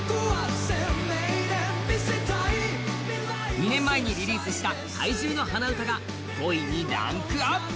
２年前にリリースした「怪獣の花唄」が５位にランクアップ！